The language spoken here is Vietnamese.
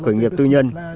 khởi nghiệp tư nhân